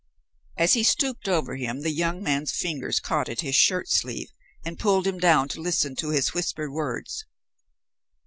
As he stooped over him the young man's fingers caught at his shirt sleeve and pulled him down to listen to his whispered words.